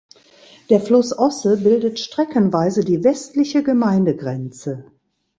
Der Fluss Osse bildet streckenweise die westliche Gemeindegrenze.